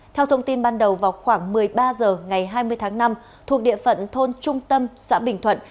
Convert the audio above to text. theo thông tin ban đầu vào khoảng một mươi ba h ngày hai mươi tháng năm thuộc địa phận thôn trung tâm xã bình thuận